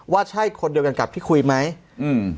ว่าใช่คนเดียวกันกับที่คุยไหมอืม